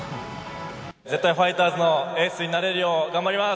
絶対ファイターズのエースになれるよう、頑張ります。